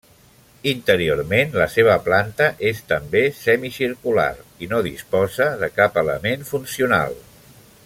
Interiorment la seva planta és també semicircular i no disposa de cap element funcional.